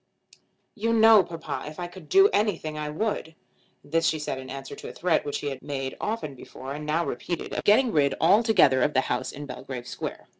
"You know, papa, if I could do anything I would." This she said in answer to a threat, which he had made often before and now repeated, of getting rid altogether of the house in Belgrave Square.